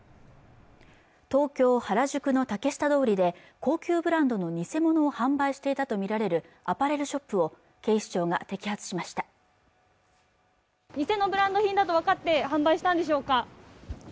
東京・原宿の竹下通りで高級ブランドの偽物を販売していたと見られるアパレルショップを警視庁が摘発しました偽のブランド品だと分かって販売したんでしょうか